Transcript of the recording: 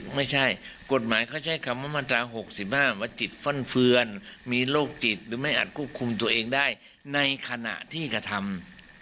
มีโรคจิตหรือไม่อาจควบคุมตัวเองได้ในขณะที่กระทำ